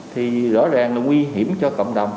thì rõ ràng là nguy hiểm cho cộng đồng